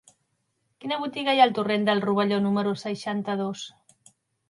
Quina botiga hi ha al torrent del Rovelló número seixanta-dos?